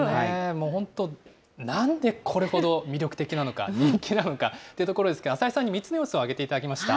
もう本当、なんでこれほど魅力的なのか、人気なのかというところですけれども、浅井さんに３つの要素を挙げていただきました。